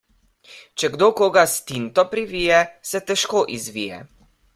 Če kdo koga s tinto privije, se težko izvije.